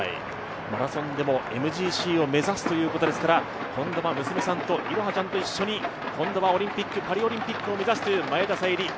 マラソンでもＭＧＣを目指すということですから、今度は娘さんの彩葉ちゃんと一緒にパリオリンピックを目指すという前田彩里